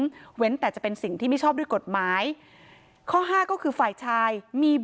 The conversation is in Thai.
ทรัพย์สินที่เป็นของฝ่ายหญิงก่อนวันทำสัญญานี้ให้เป็นของฝ่ายหญิง